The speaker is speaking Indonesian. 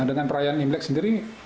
dengan perayaan imlek sendiri